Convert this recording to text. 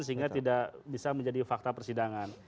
sehingga tidak bisa menjadi fakta persidangan